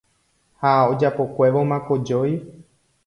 ha ojapokuévoma kojói